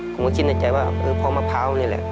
ผมก็คิดในใจว่าพอมะพร้าวนี่แหละ